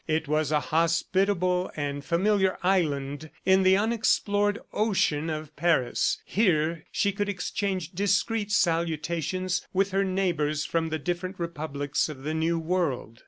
It was a hospitable and familiar island in the unexplored ocean of Paris. Here she could exchange discreet salutations with her neighbors from the different republics of the new world.